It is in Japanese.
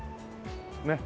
ねっ。